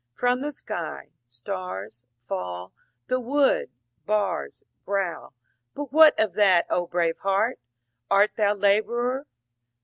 From the skj Stars FaU; the wood Bars Growl: But what of that O brave Heart ? Art thon labourer